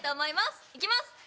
いきます。